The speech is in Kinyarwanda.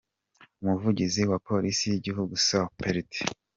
com, umuvugizi wa polisi y’igihugu Supt.